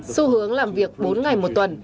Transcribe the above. sưu hướng làm việc bốn ngày một tuần